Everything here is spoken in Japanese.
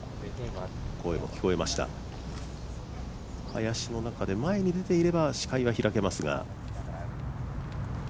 林の中で前に出ていれば視界は開けますが。